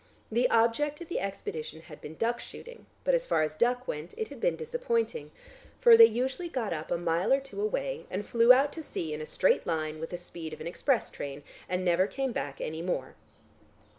The object of the expedition had been duck shooting, but as far as duck went, it had been disappointing, for they usually got up a mile or two away, and flew out to sea in a straight line with the speed of an express train and never came back any more.